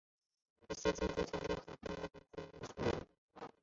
一些建筑材料和配件来自圣嘉禄堂。